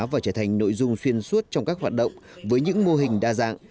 và trở thành nội dung xuyên suốt trong các hoạt động với những mô hình đa dạng